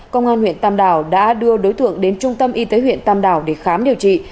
công an huyện tam đào đã đưa đối tượng đến trung tâm y tế huyện tam đào để khám điều trị